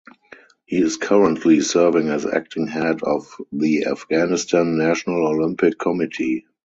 He is currently serving as acting head of the Afghanistan National Olympic Committee.